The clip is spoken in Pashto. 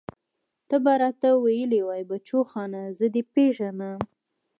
ته به راته ويلې بچوخانه زه دې پېژنم.